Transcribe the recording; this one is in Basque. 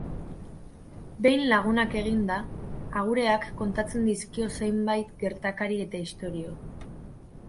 Behin lagunak eginda, agureak kontatzen dizkio zenbait gertakari eta istorio.